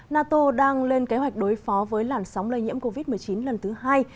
nato đang lên kế hoạch đối phó với làn sóng lây nhiễm covid một mươi chín lần thứ hai